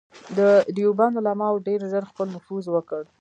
د دیوبند علماوو ډېر ژر خپل نفوذ وکړ.